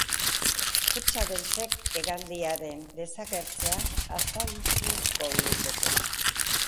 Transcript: Kutxa beltzek hegaldiaren desagertzea azalduko lukete.